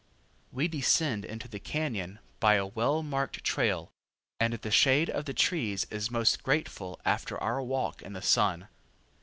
We descend into the cañon by a well marked trail, and the shade of the trees is most grateful after our walk in the sun.